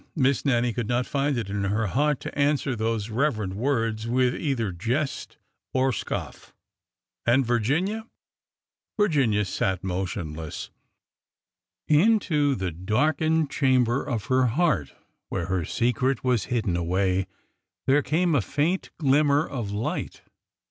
Miss Nannie could not find it in her heart to answer those reverent words with either jest or scoff. And Virginia— Virginia sat motionless. Into the darkened chamber of her heart, where her secret was hidden away, there came a 262 ORDER NO. 11 faint glimmer of light.